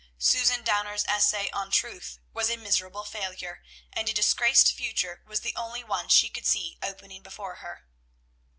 Susan Downer's essay on "Truth" was a miserable failure, and a disgraced future was the only one she could see opening before her.